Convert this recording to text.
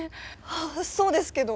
そうですけど。